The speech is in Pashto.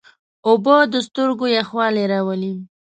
اوبه د سترګو یخوالی راولي.